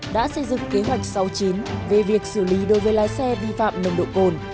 đã xây dựng kế hoạch sáu mươi chín về việc xử lý đối với lái xe vi phạm nồng độ cồn